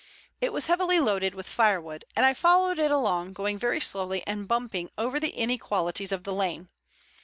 It was heavily loaded with firewood and I followed it along, going very slowly and bumping over the inequalities of the lane.